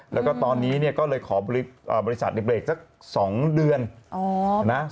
แล้วก็ตอนนี้ก็เลยขอบริษัทนิดเดียวอีกสัก๒เดือน